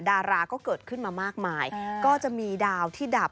ดาราก็เกิดขึ้นมามากมายก็จะมีดาวที่ดับ